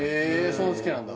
そんな好きなんだ